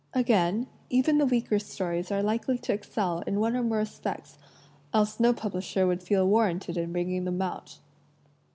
Again, even the weaker stories are likely to excel in one or more respects, else no publisher would feel war ranted in bringing them out.